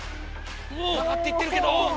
もう曲がっていってるけど！